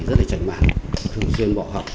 rất là chảnh mạng thường xuyên bỏ học